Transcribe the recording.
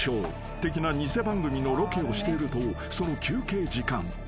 的な偽番組のロケをしているとその休憩時間］